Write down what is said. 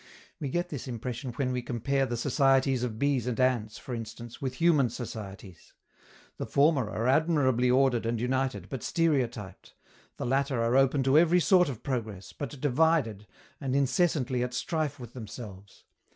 We get this impression when we compare the societies of bees and ants, for instance, with human societies. The former are admirably ordered and united, but stereotyped; the latter are open to every sort of progress, but divided, and incessantly at strife with themselves.